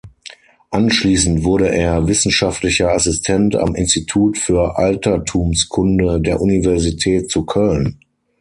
Anschließend wurde er wissenschaftlicher Assistent am Institut für Altertumskunde der Universität zu Köln.